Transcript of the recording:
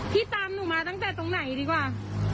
พี่ตามหนูมาตั้งแต่ตรงไหนดีกว่า